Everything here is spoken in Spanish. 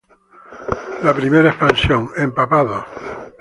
La primera expansión, ¡Empapados!